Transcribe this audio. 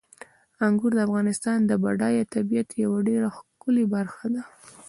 انګور د افغانستان د بډایه طبیعت یوه ډېره ښکلې برخه ده.